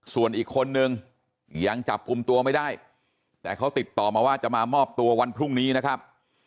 ส่วนอีกคนนึงยังจับกลุ่มตัวไม่ได้แต่เขาติดต่อมาว่าจะมามอบตัววันพรุ่งนี้นะครับ